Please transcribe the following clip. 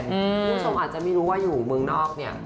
ผู้ชมอาจจะไม่รู้ว่าอยู่เมืองนอก